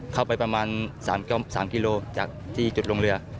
เข้าไปประมาณ๓กิโลจากที่จุดลงเรือ